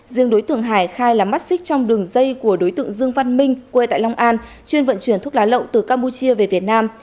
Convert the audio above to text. riêng đối tượng hải khai là mắt xích trong đường dây của đối tượng dương văn minh quê tại long an chuyên vận chuyển thuốc lá lậu từ campuchia về việt nam